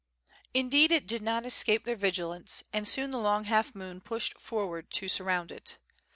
Indeed it did not escape their vigilance; and soon the long half moon pushed forward to suround it.